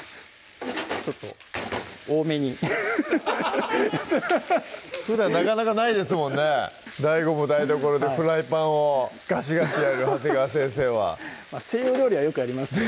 ちょっと多めにふだんなかなかないですもんねＤＡＩＧＯも台所でフライパンをガシ西洋料理はよくやりますよね